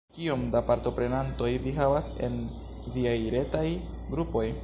Kiom da partoprenantoj vi havas en viaj retaj grupoj?